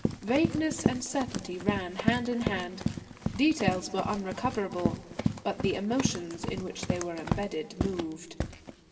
Vagueness and certainty ran hand in hand. Details were unrecoverable, but the emotions in which they were embedded moved.